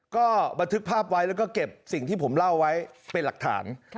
ก็บันทึกภาพไว้แล้วก็เก็บสิ่งที่ผมเล่าไว้เป็นหลักฐาน